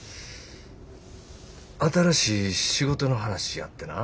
新しい仕事の話あってな。